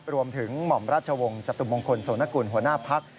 หม่อมราชวงศ์จตุมงคลโสนกุลหัวหน้าพัก